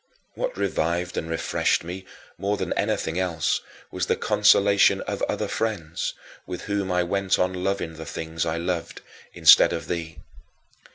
What revived and refreshed me, more than anything else, was the consolation of other friends, with whom I went on loving the things I loved instead of thee.